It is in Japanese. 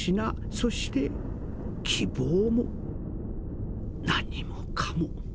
そして希望も何もかも」。